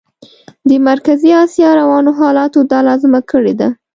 د مرکزي اسیا روانو حالاتو دا لازمه کړې ده.